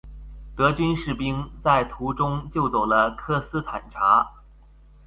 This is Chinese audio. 德军士兵在途中救走了科斯坦察。